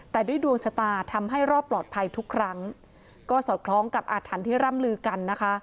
แต่ด้วยดวงชะตาทำให้รอดปลอดภัยทุกครั้งก็สอดคล้องกับอาถรรพ์ที่ร่ำลือกันนะคะ